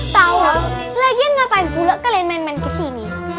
tau lah lagian ngapain pula kalian main main kesini